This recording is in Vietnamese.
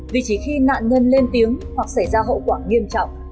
vì chỉ khi nạn nhân lên tiếng hoặc xảy ra hậu quả nghiêm trọng